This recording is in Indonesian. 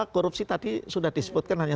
korupsi tadi sudah disebutkan hanya